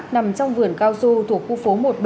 nằm trong vườn cao su thuộc khu phố một b